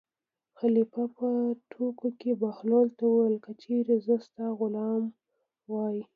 خلیفه په ټوکو کې بهلول ته وویل: که چېرې زه ستا غلام وای.